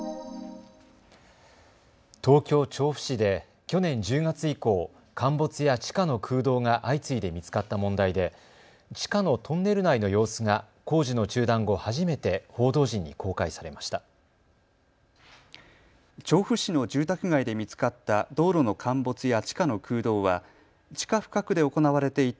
東京調布市で去年１０月以降、陥没や地下の空洞が相次いで見つかった問題で地下のトンネル内の様子が工事の中断後、初めて報道陣に公開されました。